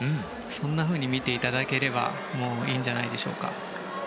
そんなふうに見ていただければいいんじゃないでしょうか。